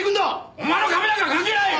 お前の髪なんか関係ない！！